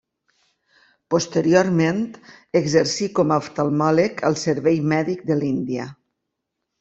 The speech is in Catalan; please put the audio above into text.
Posteriorment exercí com a oftalmòleg al Servei Mèdic de l'Índia.